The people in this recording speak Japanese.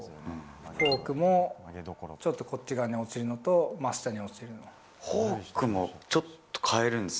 フォークもこっち側に落ちるのと真下に落ちるの。